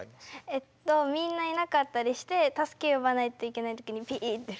えっとみんないなかったりして助け呼ばないといけない時にピーッて吹く。